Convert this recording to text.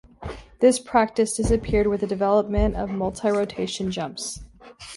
This practice disappeared with the development of multi-rotation jumps.